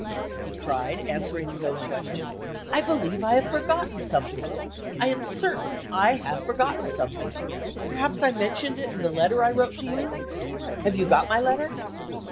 he cried, answering his own question. "I believe I have forgotten something I am certain I have forgotten something. Perhaps I mentioned it in the letter I wrote to you. Have you got my letter?"